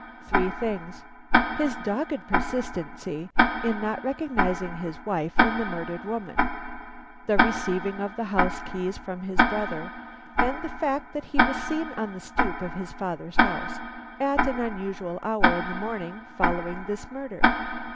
Three things: his dogged persistency in not recognizing his wife in the murdered woman; the receiving of the house keys from his brother; and the fact that he was seen on the stoop of his father's house at an unusual hour in the morning following this murder.